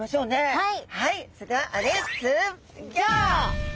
はい。